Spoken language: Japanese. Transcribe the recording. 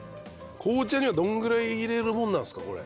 紅茶にはどのぐらい入れるもんなんですか？